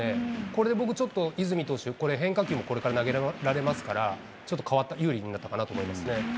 これで僕、ちょっと泉投手、これ、変化球もこれから投げられますから、ちょっと有利になったかなと思いますね。